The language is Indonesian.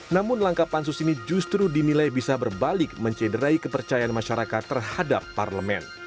namun langkah pansus ini justru dinilai bisa berbalik mencederai kepercayaan masyarakat terhadap parlemen